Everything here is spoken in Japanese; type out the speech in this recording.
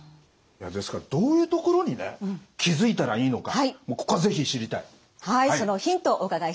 ですからどういうところにね気付いたらいいのかここは是非知りたい！